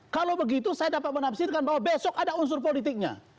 kalau begitu saya dapat menafsirkan bahwa besok ada unsur politiknya